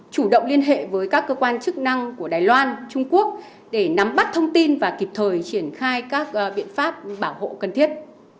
chủ động liên hệ với các cơ quan chức năng của đài loan trung quốc để nắm bắt thông tin và kịp thời triển khai các biện pháp bảo hộ cần thiết